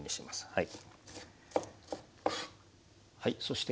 はい。